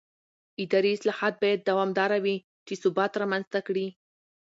اداري اصلاحات باید دوامداره وي چې ثبات رامنځته کړي